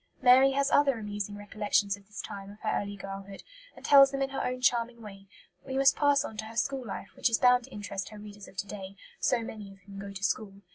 Mary has other amusing recollections of this time of her early girlhood, and tells them in her own charming way; but we must pass on to her school life, which is bound to interest her readers of to day, so many of whom go to school.